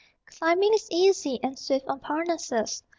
Climbing is easy and swift on Parnassus!